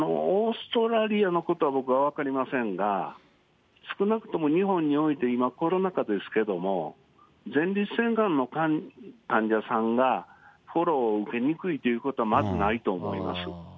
オーストラリアのことは僕は分かりませんが、少なくとも日本において、今、コロナ禍ですけども、前立腺がんの患者さんが、フォローを受けにくいということは、まずないと思います。